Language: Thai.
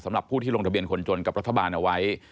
สำหรับผู้ที่ลงทะเบียนคนจนกับรัฐบาลเอาไว้